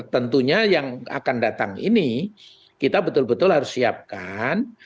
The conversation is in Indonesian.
tentunya yang akan datang ini kita betul betul harus siapkan